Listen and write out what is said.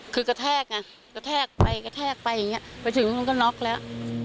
คือกระแทกไปไปไปถึงก็น็อกแล้ว